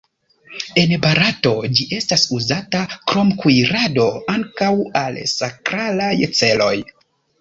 En Barato ĝi estas uzata krom kuirado ankaŭ al sakralaj celoj.